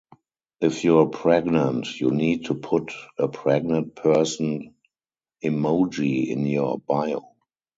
If you’re pregnant, you need to put a pregnant person emoji in your bio.